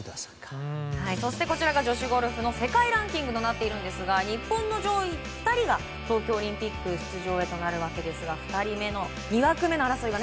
そしてこちら、女子ゴルフの世界ランキングですが日本の上位２人が東京オリンピック出場となるわけですが２枠目の争いが。